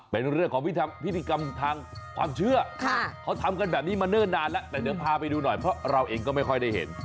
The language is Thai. เป็นเรื่องของพิธีกรรมทางความเชื่อเขาทำกันแบบนี้มาเนิ่นนานแล้วแต่เดี๋ยวพาไปดูหน่อยเพราะเราเองก็ไม่ค่อยได้เห็น